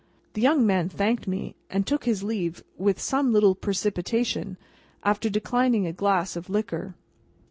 The young man thanked me, and took his leave with some little precipitation, after declining a glass of liquor.